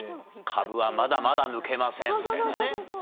「かぶはまだまだ抜けません」みたいなね。